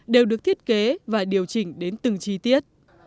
đều được thiết kế và điều chỉnh đến từng chi tiết